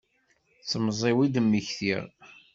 D temẓi-w i d-mmektiɣ.